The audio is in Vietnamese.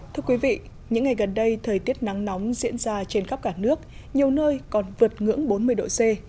thưa quý vị những ngày gần đây thời tiết nắng nóng diễn ra trên khắp cả nước nhiều nơi còn vượt ngưỡng bốn mươi độ c